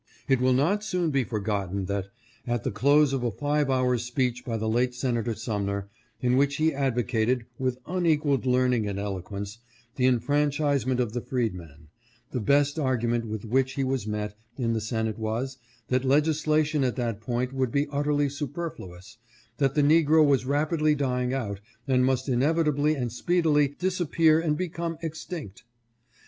" It will not soon be forgotten that, at the close of a five hours' speech by the late Senator Sumner, in which he advocated, with unequaled learning and eloquence, the enfranchisement of the freed men, the best argument with which he was met in the Senate was, that legislation at that point would be utterly superfluous, that the negro was rapidly dying out, and must inevitably and speedily disap pear and become extinct.